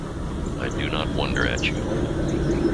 I do not wonder at you.